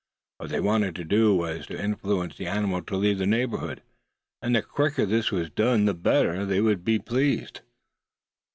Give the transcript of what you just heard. What they wanted to do was to influence the animal to leave the neighborhood, and the quicker this were done the better they would be pleased.